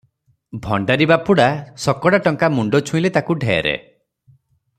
ଭଣ୍ଡାରି ବାପୁଡା ଶକଡ଼ା ଟଙ୍କା ମୁଣ୍ଡ ଛୁଇଁଲେ ତାକୁ ଢେର ।